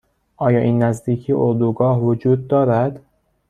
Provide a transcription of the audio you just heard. آیا این نزدیکی اردوگاه وجود دارد؟